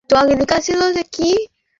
দেখো, আব্বু এসে গেছে!